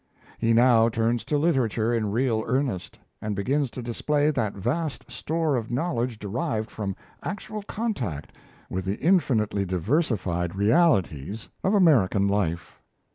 He now turns to literature in real earnest, and begins to display that vast store of knowledge derived from actual contact with the infinitely diversified realities of American life.